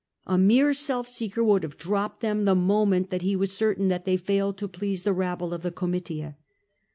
A mere self seeker would have dropped them the moment that he was certain that they failed to please the rabble of the Comitia.